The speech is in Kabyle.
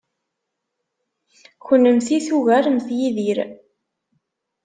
Kennemti tugaremt Yidir.